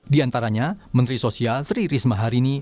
di antaranya menteri sosial tri risma harini